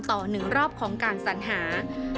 ต่อหนึ่งรอบของการสัญหา